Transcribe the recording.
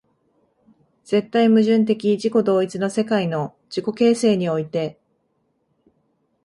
絶対矛盾的自己同一の世界の自己形成において、